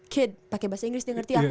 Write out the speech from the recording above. kid pake bahasa inggris dia ngerti aku